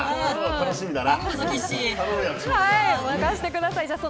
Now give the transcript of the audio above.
楽しみだな。